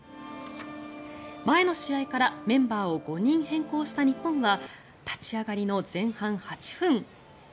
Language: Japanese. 前の試合からメンバーを５人変更した日本は立ち上がりの前半８分。